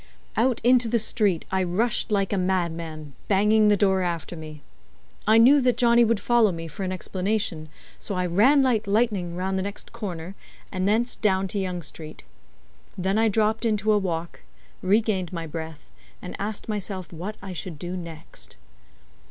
Out into the street I rushed like a madman, banging the door after me. I knew that Johnny would follow me for an explanation, so I ran like lightning round the next corner, and thence down to Yonge Street. Then I dropped into a walk, regained my breath, and asked myself what I should do next.